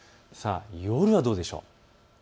夜はどうでしょう。